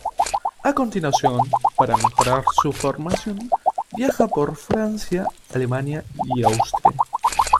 A continuación, para mejorar su formación, viaja por Francia, Alemania y Austria.